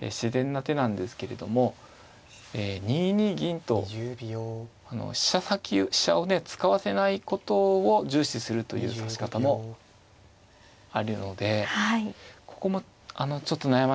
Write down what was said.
自然な手なんですけれども２二銀と飛車をね使わせないことを重視するという指し方もあるのでここもちょっと悩ましいところですね。